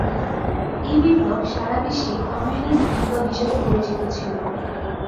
এই বিপ্লব সারা বিশ্বে কমিউনিস্ট বিপ্লব হিসেবে পরিচিত ছিল।